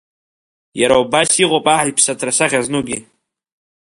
Иара убас иҟоуп аҳ иԥсы аҭра асахьа знугьы.